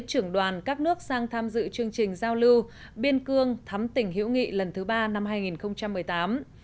trưởng đoàn các nước sang tham dự chương trình giao lưu biên cương thắm tỉnh hiễu nghị lần thứ ba năm hai nghìn một mươi tám